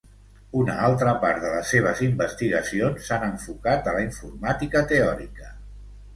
Una altra part de les seves investigacions s'han enfocat a la informàtica teòrica.